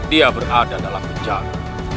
dia berada dalam penjara